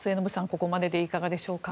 ここまででいかがでしょうか。